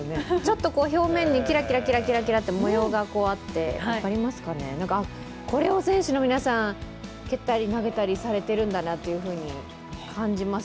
表面にキラキラと模様があってこれを選手の皆さん、蹴ったり投げたりされているんだなと感じます。